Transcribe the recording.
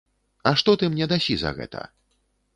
А што ты мне дасі за гэта?